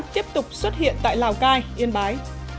tiếp tục xuất hiện tại lào cai yên bái